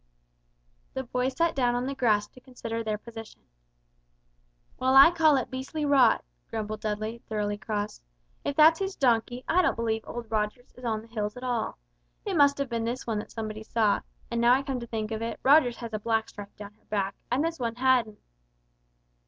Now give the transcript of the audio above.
The boys sat down on the grass to consider their position. "Well, I call it beastly rot," grumbled Dudley, thoroughly cross; "if that's his donkey I don't believe old Roger's is on the hills at all. It must have been this one that somebody saw, and now I come to think of it Roger's has a black stripe down her back, and this one hadn't!"